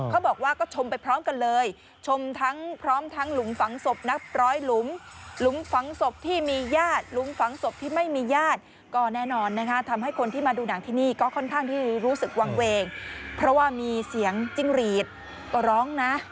เขาบอกว่าก็ชมไปพร้อมกันเลยชมทั้งพร้อมทั้งหลุมฝังศพนับร้อยหลุมหลุมฝังศพที่มีญาติหลุมฝังศพที่ไม่มีญาติก็แน่นอนนะคะทำให้คนที่มาดูหนังที่นี่ก็ค่อนข้างที่รู้สึกวางเวงเพราะว่ามีเสียงจิ้งหรีดก็ร้องนะ